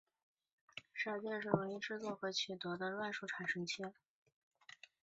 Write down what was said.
骰子也是容易制作和取得的乱数产生器。